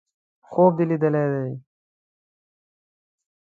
_خوب دې ليدلی!